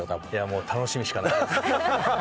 もう楽しみしかないです。